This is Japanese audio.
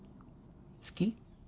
好き？